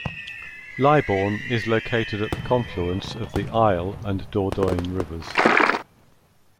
Libourne is located at the confluence of the Isle and Dordogne rivers.